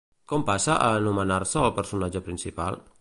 Com passa a anomenar-se el personatge principal?